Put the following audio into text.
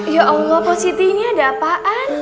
ya allah positi ini ada apaan